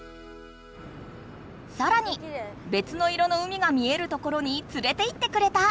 さらにべつの色の海が見えるところにつれていってくれた。